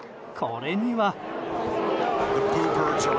これには。